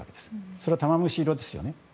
それは玉虫色ですよね。